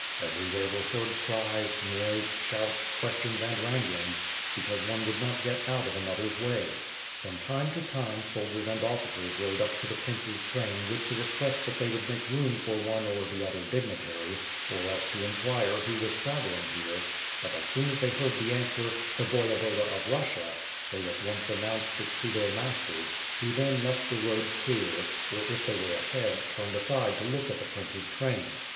Everywhere were heard cries, noise, shouts, ques tions and wranglings, because one would not get out of an other's way. From time to time soldiers and officers rode up to the prince's train with the request that they would WITH FIRE AND SWORD, 531 make room for one or the other dignitary, or else to inquire who was traveling here, but, as soon as they heard the answer, "The Voyevoda of Russia," they at once announced it to their masters, who then left the road clear, or if they were ahead turned aside to look at the prince's train.